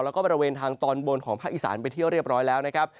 แล้วก็บริเวณทางตอนบนของภาคอีสานไปเที่ยวเรียบร้อยแล้วนะครับ